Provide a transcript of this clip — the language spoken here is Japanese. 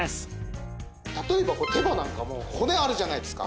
例えば手羽なんかも骨あるじゃないですか。